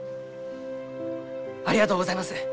ありがとうございます！